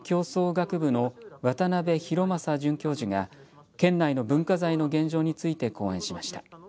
学部の渡邉敬逸准教授が県内の文化財の現状について講演しました。